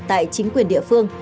tại chính quyền địa phương